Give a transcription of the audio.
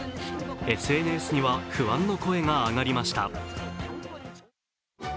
ＳＮＳには不安の声が上がりました。